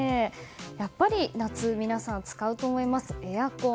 やっぱり夏皆さん使うと思います、エアコン。